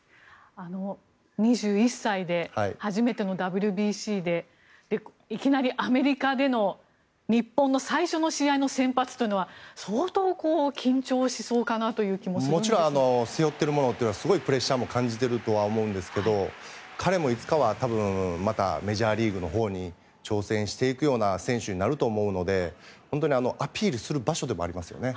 ２１歳で初めてのＷＢＣでいきなりアメリカでの日本の最初の試合の先発というのは相当緊張しそうかなという気もするんですがもちろん背負っているものはものすごいプレッシャーも感じてると思うんですけど彼もいつかは多分、メジャーリーグのほうに挑戦していくような選手になると思うのでアピールする場所でもありますよね。